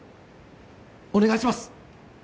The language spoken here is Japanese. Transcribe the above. お願いします